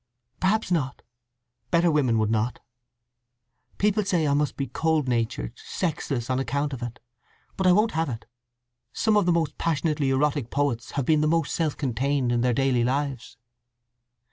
"Perhaps not. Better women would not. People say I must be cold natured—sexless—on account of it. But I won't have it! Some of the most passionately erotic poets have been the most self contained in their daily lives."